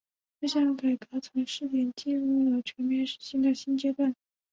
这项改革从试点进入了全面实行的新阶段。